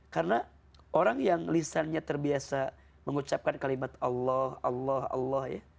karena orang yang lisannya terbiasa mengucapkan kalimat allah allah allah